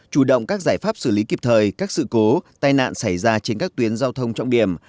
chủ động các giải pháp xử lý kịp thời các sự cố tai nạn xảy ra trên các tuyến giao thông trọng điểm